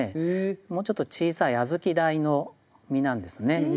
もうちょっと小さい小豆大の実なんですね。